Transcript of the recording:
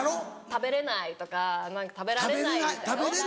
「食べれない」とか「『食べられない』だよ」。